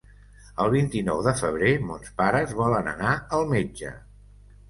El vint-i-nou de febrer mons pares volen anar al metge.